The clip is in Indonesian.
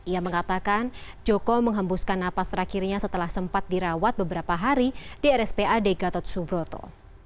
ia mengatakan joko menghembuskan napas terakhirnya setelah sempat dirawat beberapa hari di rspad gatot subroto